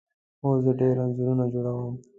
هو، زه ډیر انځورونه جوړوم